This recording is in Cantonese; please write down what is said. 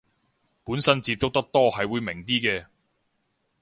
本身接觸得多係會明啲嘅